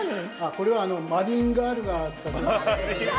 これはマリンガールが使っていた。